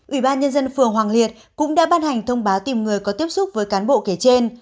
ủy ban nhân dân phường hoàng liệt cũng đã ban hành thông báo tìm người có tiếp xúc với cán bộ kể trên